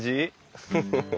フフフフ。